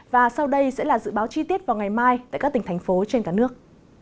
và sau đây sẽ là dự báo chi tiết vào ngày mai tại các tỉnh thành phố trên cả nước